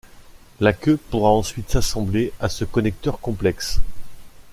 La queue pourra ensuite s’assembler à ce connecteur complexe.